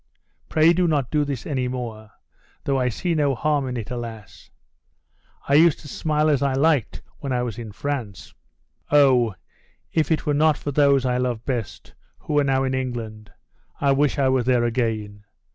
Pray do not do this any more; though I see no harm in it; alas! I used to smile as I liked when I was in France. Oh, if it were not for those I love best, who are now in England, I wish I were there again!